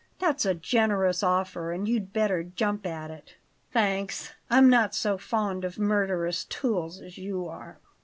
That's a generous offer, and you'd better jump at it." "Thanks, I'm not so fond of murderous tools as you are."